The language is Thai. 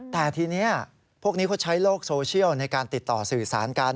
แต่ทีนี้พวกนี้เขาใช้โลกโซเชียลในการติดต่อสื่อสารกัน